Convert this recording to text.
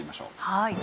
はい。